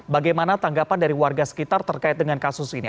bagaimana tanggapan dari warga sekitar terkait dengan kasus ini